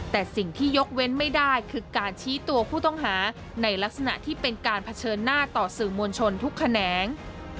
แต่สิ่งที่ยกเว้นไม่ได้คือการชี้ตัวผู้ต้องหาในลักษณะที่เป็นการเผชิญหน้าต่อสื่อมวลชนทุกแขนง